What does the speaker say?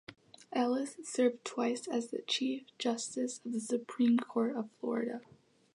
Ellis served twice as the Chief Justice of the Supreme Court of Florida.